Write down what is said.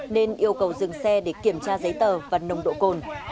nên yêu cầu dừng xe để kiểm tra giấy tờ và nồng độ cồn